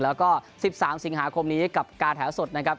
แล้วก็๑๓สิงหาคมนี้กับการแถวสดนะครับ